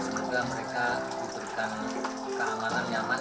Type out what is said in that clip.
semoga mereka diberikan keamanan nyaman